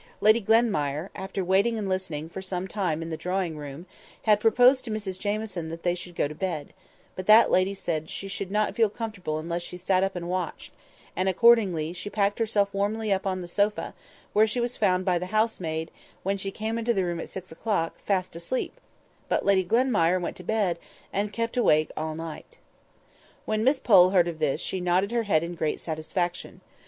Lady Glenmire, after waiting and listening for some time in the drawing room, had proposed to Mrs Jamieson that they should go to bed; but that lady said she should not feel comfortable unless she sat up and watched; and, accordingly, she packed herself warmly up on the sofa, where she was found by the housemaid, when she came into the room at six o'clock, fast asleep; but Lady Glenmire went to bed, and kept awake all night. When Miss Pole heard of this, she nodded her head in great satisfaction.